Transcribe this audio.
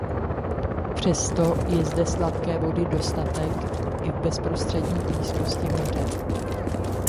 Přesto je zde sladké vody dostatek i v bezprostřední blízkosti moře.